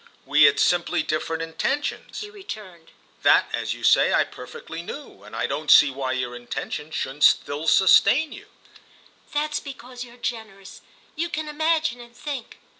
"We had simply different intentions," he returned. "That, as you say, I perfectly knew, and I don't see why your intention shouldn't still sustain you." "That's because you're generous—you can imagine and think.